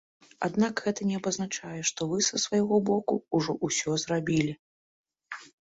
Аднак гэта не абазначае, што вы са свайго боку ўжо ўсё зрабілі.